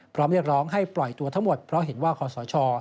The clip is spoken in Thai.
เรียกร้องให้ปล่อยตัวทั้งหมดเพราะเห็นว่าคอสช